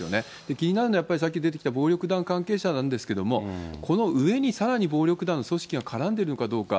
気になるのは、やっぱりさっき出てきた暴力団関係者なんですけど、この上にさらに暴力団の組織が絡んでいるのかどうか。